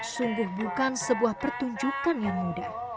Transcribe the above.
sungguh bukan sebuah pertunjukan yang mudah